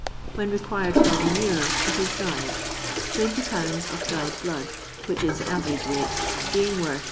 When required for manure it is dried — 20 lbs. of dried blood, which is the average weight, being worth \n.